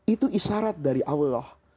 itu isyarat dari allah